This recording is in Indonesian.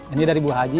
ini dari bu haji